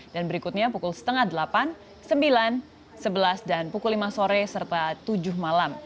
dan berikutnya pukul setengah delapan sembilan sebelas dan pukul lima sore serta tujuh malam